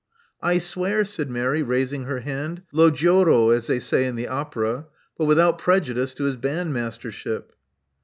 '*I swear," said Mary, raising her hand. ^Lo giuro^* as they say in the Opera. But without prejudice to his bandmastership.